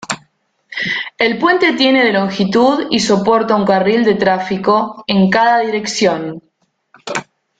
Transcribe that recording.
El puente tiene de longitud y soporta un carril de tráfico en cada dirección.